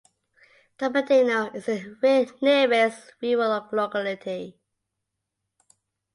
Tokberdino is the nearest rural locality.